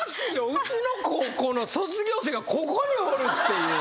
うちの高校の卒業生がここにおるっていう。